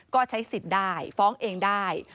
ก็ใช้สิทธิ์ได้ฟ้องเองได้